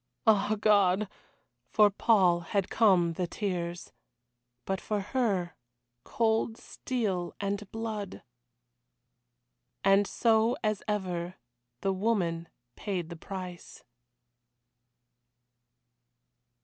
Ah, God! For Paul had come the tears. But for her cold steel and blood. And so, as ever, the woman paid the price.